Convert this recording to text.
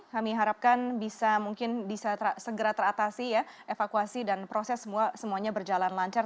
kami harapkan bisa mungkin bisa segera teratasi ya evakuasi dan proses semuanya berjalan lancar